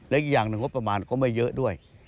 และอีกอย่างหนึ่งงบประมาณก็ไม่เยอะด้วย